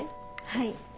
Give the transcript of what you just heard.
はい。